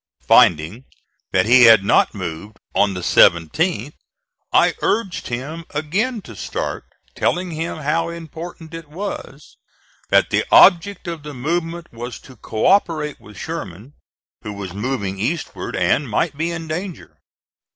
Finding that he had not moved, on the 17th I urged him again to start, telling him how important it was, that the object of the movement was to co operate with Sherman, who was moving eastward and might be in danger.